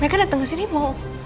mereka datang ke sini mau